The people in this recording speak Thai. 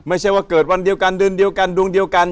ไม่ใช่ว่าเกิดวันเดียวกันเดือนเดียวกันดวงเดียวกัน